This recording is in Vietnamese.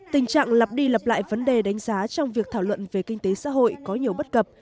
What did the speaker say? tình trạng lặp đi lặp lại vấn đề đánh giá trong việc thảo luận về kinh tế xã hội có nhiều bất cập